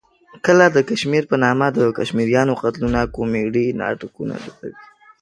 کله د کشمیر په نامه د کشمیریانو قتلونه کومیډي ناټکونه جوړوي.